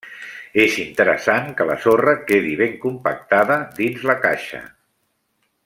És interessant que la sorra quedi ben compactada dins la caixa.